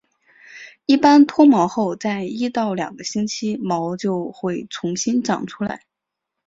一般脱毛后在一到两个星期毛就回重新长出来。